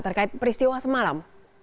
terkait peristiwa semalam